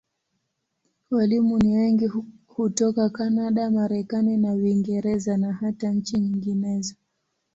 Walimu ni wengi hutoka Kanada, Marekani na Uingereza, na hata nchi nyinginezo.